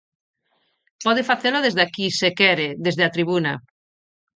Pode facelo desde aquí se quere, desde a tribuna.